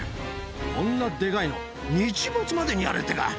こんなでかいの、日没までにやれってか？